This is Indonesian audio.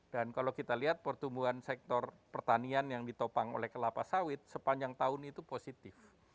dan kalau kita lihat pertumbuhan sektor pertanian yang ditopang oleh kelapa sawit sepanjang tahun itu positif